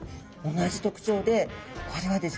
同じ特徴でこれはですね